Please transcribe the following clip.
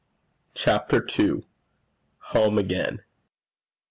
CHAPTER II. HOME AGAIN.